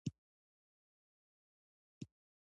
افغانستان د یاقوت کوربه دی.